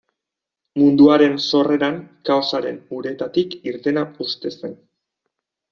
Munduaren sorreran kaosaren uretatik irtena uste zen.